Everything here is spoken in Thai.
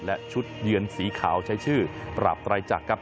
และชุดเยือนสีขาวใช้ชื่อปราบไตรจักรครับ